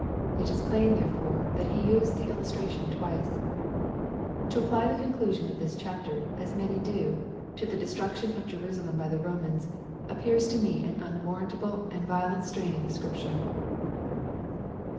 It ia plain therefore that He used the illustration twice. To apply tlie conclusion of this chapter, as many do, to the de struction of Jerusalem by tlie Romans, appears to me an unwar rantable and violent straining of Scripture.